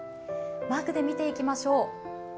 マークで見ていきましょう。